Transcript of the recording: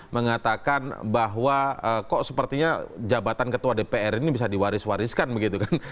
mengatakan bahwa kok sepertinya jabatan ketua dpr ini bisa diwaris wariskan begitu kan